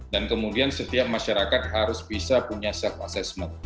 dan kemudian setiap masyarakat harus bisa punya self assessment